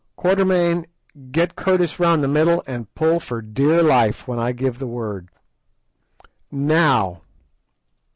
"Quatermain, get Curtis round the middle and pull for dear life when I give the word. _Now.